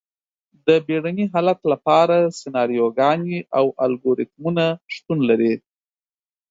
د بیړني حالت لپاره سناریوګانې او الګوریتمونه شتون لري.